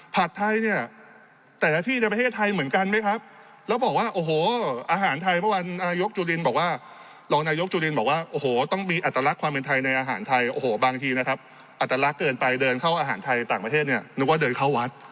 ไทยเนี่ยแต่ละที่ในประเทศไทยเหมือนกันไหมครับแล้วบอกว่าโอ้โหอาหารไทยเมื่อวานนายกจุลินบอกว่ารองนายกจุลินบอกว่าโอ้โหต้องมีอัตลักษณ์ความเป็นไทยในอาหารไทยโอ้โหบางทีนะครับอัตลักษณ์เกินไปเดินเข้าอาหารไทยต่างประเทศเนี่ยนึกว่าเดินเข้าวัด